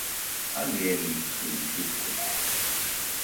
Jaienikɨdɨkue